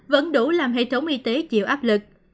vẫn đủ làm hệ thống y tế chịu áp lực